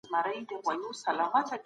که روغتيا وي، نو هر څه سته.